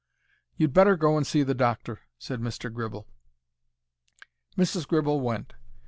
"You'd better go and see the doctor," said Mr. Gribble. Mrs. Gribble went.